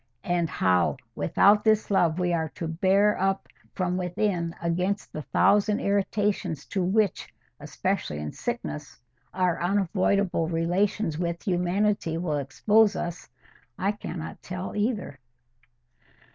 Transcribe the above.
And how without this love we are to bear up from within against the thousand irritations to which, especially in sickness, our unavoidable relations with humanity will expose us, I cannot tell either."